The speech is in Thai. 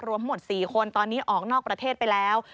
รวมทั้งหมด๔คนตอนนี้ออกนอกประเทศไปแล้ว